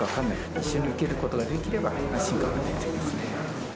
一緒に受けることができれば安心感がありますね。